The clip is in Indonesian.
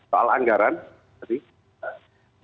soal anggaran tadi